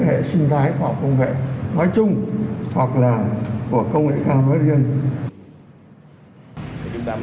với hệ sinh thái hoặc công nghệ nói chung hoặc là của công nghệ cao nói riêng